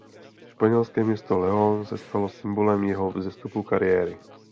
Španělské město León se stalo symbolem jeho vzestupu kariéry.